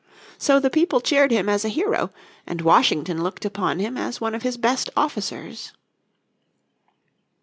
So the people cheered him as a hero, and Washington looked upon him as one of his best officers.